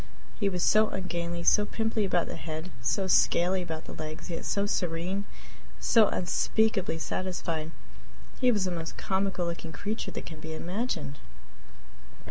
He was so ungainly, so pimply about the head, so scaly about the legs, yet so serene, so unspeakably satisfied! He was the most comical looking creature that can be imagined.